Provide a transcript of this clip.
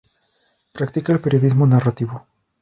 Practica el periodismo narrativo.